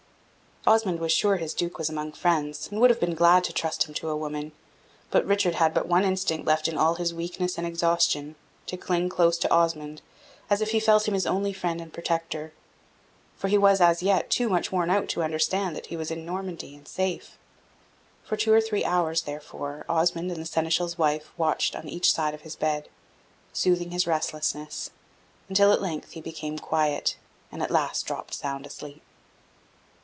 Osmond was sure his Duke was among friends, and would have been glad to trust him to a woman; but Richard had but one instinct left in all his weakness and exhaustion to cling close to Osmond, as if he felt him his only friend and protector; for he was, as yet, too much worn out to understand that he was in Normandy and safe. For two or three hours, therefore, Osmond and the Seneschal's wife watched on each side of his bed, soothing his restlessness, until at length he became quiet, and at last dropped sound asleep.